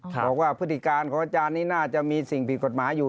พฤติการของอาจารย์นี้น่าจะมีสิ่งผิดกฎหมายอยู่